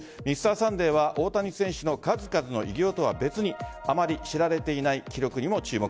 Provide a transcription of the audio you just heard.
「Ｍｒ．サンデー」は大谷選手の数々の偉業とは別にあまり知られていない記録にも注目。